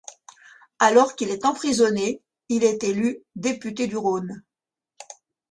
Alors qu'il est emprisonné, il est élu député du Rhône.